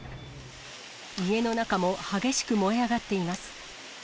家の中も激しく燃え上がっています。